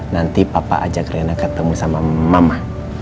nanti papa ajak riana ketemu sama mama